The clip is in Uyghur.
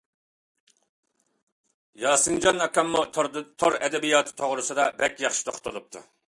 ياسىنجان ئاكاممۇ تور ئەدەبىياتى توغرىسىدا بەك ياخشى توختىلىپتۇ.